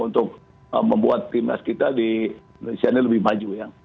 untuk membuat timnas kita di indonesia ini lebih maju